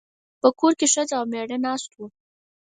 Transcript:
په کور کې ښځه او مېړه ناست وو.